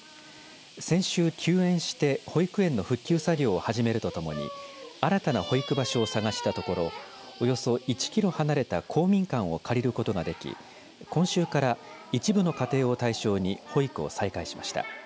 先週休園して保育園の復旧作業を始めるとともに新たな保育場所を探したところおよそ１キロ離れた公民館を借りることができ今週から一部の家庭を対象に保育を再開しました。